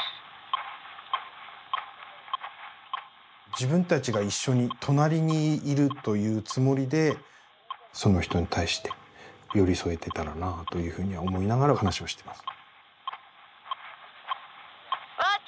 自分たちが一緒に隣にいるというつもりでその人に対して寄り添えてたらなというふうには思いながら話はしてます。